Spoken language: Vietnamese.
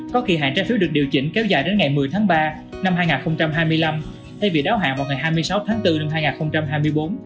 có kỳ hạn trái phiếu được điều chỉnh kéo dài đến ngày một mươi tháng ba năm hai nghìn hai mươi năm thay vì đáo hạn vào ngày hai mươi sáu tháng bốn năm hai nghìn hai mươi bốn